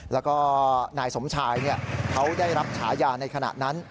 แล้วก็นายสมชายเขาได้รับฉายาในขณะนั้น